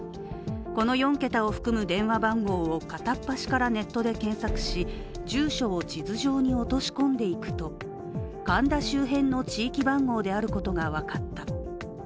この４桁を含む電話番号を片っ端からネットで検索し住所を地図上に落とし込んでいくと神田周辺の地域番号であることが分かった。